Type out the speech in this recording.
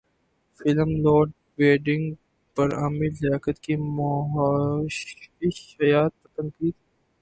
film Load Wedding پر عامر لیاقت کی مہوش حیات پر تنقید